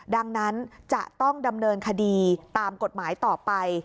ดังนั้นจะต้องดำเนินคดีตามกฎหมายต่อไป